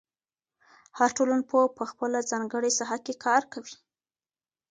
هر ټولنپوه په خپله ځانګړې ساحه کې کار کوي.